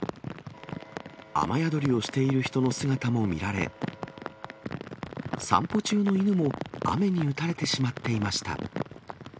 雨宿りをしている人の姿も見られ、散歩中の犬も雨に打たれてしまっていました。